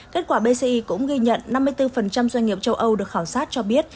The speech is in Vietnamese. kết quả bci cũng ghi nhận năm mươi bốn doanh nghiệp châu âu được khảo sát cho biết